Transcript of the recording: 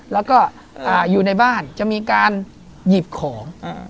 แล้วก็อยู่ในบ้านจะมีการหยิบของ